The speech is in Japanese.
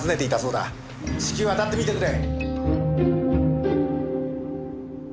至急あたってみてくれ。